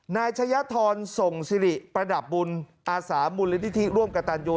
นายชะยะทรส่งสิริประดับบุญอาสามูลนิธิร่วมกับตันยู